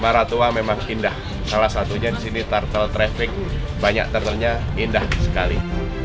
maratua memang indah salah satunya di sini tartel traffic banyak turtelnya indah sekali